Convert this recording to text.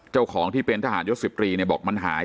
เจ้าของที่เป็นทหารยศ๑๐ตรีเนี่ยบอกมันหาย